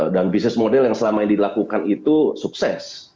dan bisnis model yang selama ini dilakukan itu sukses